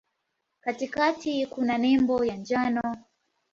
Katikati kuna nembo ya njano.